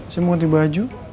saya mau nganti baju